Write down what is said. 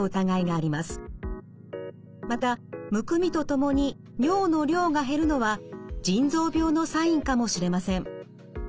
またむくみとともに尿の量が減るのは腎臓病のサインかもしれません。